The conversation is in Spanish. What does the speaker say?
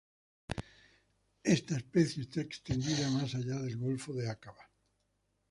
Esta especie está extendida más allá del Golfo de Aqaba.